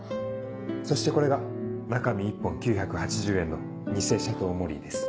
そしてこれが中身１本９８０円の偽シャトーモリーです。